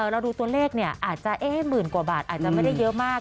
เราดูตัวเลขอาจจะหมื่นกว่าบาทอาจจะไม่ได้เยอะมาก